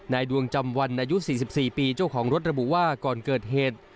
ดวงจำวันอายุ๔๔ปีเจ้าของรถระบุว่าก่อนเกิดเหตุ